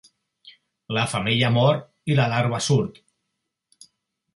La femella mor i la larva surt.